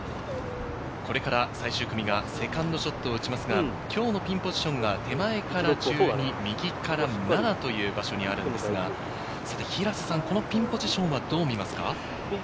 これから最終組がセカンドショットを打ちますが、今日のピンポジションが手前から１２、右から７という場所にあるんですが、このピンポジションは、どう見ますか？